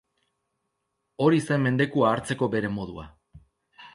Hori zen mendekua hartzeko bere modua.